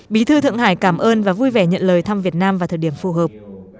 bí thư thượng hải cảm ơn và vui vẻ nhận lời thăm việt nam vào thời điểm phù hợp